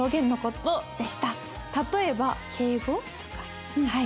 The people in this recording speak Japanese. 例えば敬語とかはい。